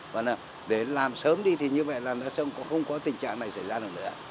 và để làm sớm đi thì như vậy là nó không có tình trạng này xảy ra được nữa